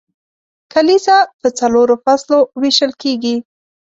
کلیزه په څلورو فصلو ویشل کیږي.